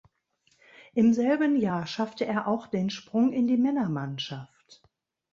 Im selben Jahr schaffte er auch den Sprung in die Männermannschaft.